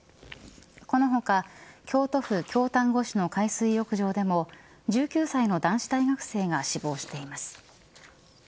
この他、京都府京丹後市の海水浴場でも１９歳の男子大学生が死亡しています。